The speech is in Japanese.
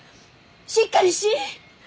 しっかりしい！